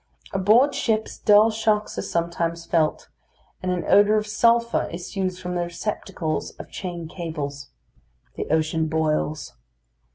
Aboard ships dull shocks are sometimes felt, and an odour of sulphur issues from the receptacles of chain cables. The ocean boils.